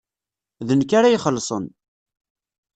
D nekk ara ixellṣen.